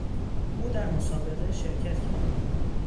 او در مسابقه شرکت کرد.